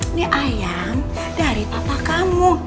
ini ayam dari tapa kamu